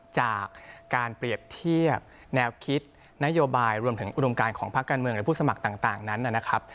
จากการเปรียบเทียบแนวคิดนโยบายรวมถึงอุดมการของภาคการเมืองและผู้สมัครต่างนั้นนะครับ